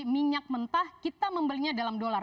minyak mentah kita membelinya dalam dolar